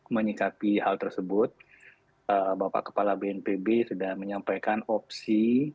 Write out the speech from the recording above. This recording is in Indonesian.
menyikapi hal tersebut bapak kepala bnpb sudah menyampaikan opsi